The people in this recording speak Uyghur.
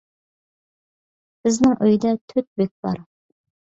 بىزنىڭ ئۆيدە تۆت بۆك بار.